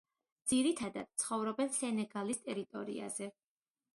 ძირითადად ცხოვრობენ სენეგალის ტერიტორიაზე.